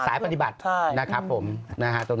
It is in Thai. สายปฏิบัตินะครับผมตรงนี้